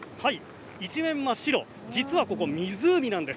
一面、真っ白、実はここ湖なんです。